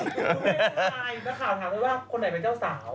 ไม่ได้มีบางข่าวถามด้วยว่าคนไหนเป็นเจ้าสาว